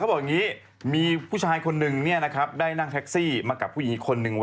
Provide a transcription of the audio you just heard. กลัวว่าผมจะต้องไปพูดให้ปากคำกับตำรวจยังไง